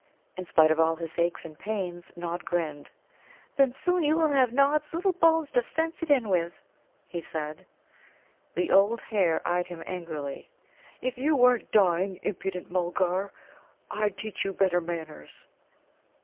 In spite of all his aches and pains, Nod grinned. "Then soon you will have Nod's little bones to fence it in with," he said. The old hare eyed him angrily. "If you weren't dying, impudent Mulgar, I'd teach you better manners."